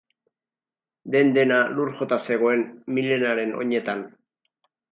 Den-dena lur jota zegoen Milenaren oinetan.